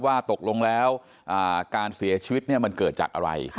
ว่าตกลงแล้วการเสียชีวิตมันเกิดจากอะไร